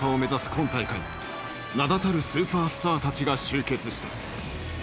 今大会名だたるスーパースターたちが集結した。